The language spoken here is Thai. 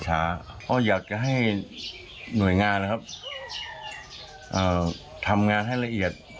เพราะอยากจะให้หน่วยงานทำงานให้ละเอียด